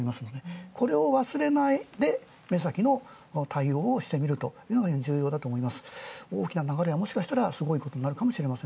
これを忘れないで対応を目先の対応をしてみるのが重要だと思います。